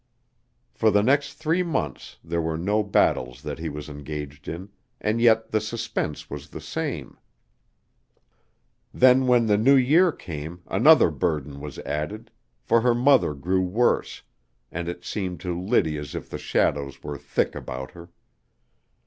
For the next three months there were no battles that he was engaged in, and yet the suspense was the same. Then when the new year came another burden was added, for her mother grew worse, and it seemed to Liddy as if the shadows were thick about her.